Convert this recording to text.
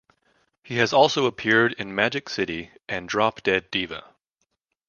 He has also appeared in "Magic City" and "Drop Dead Diva".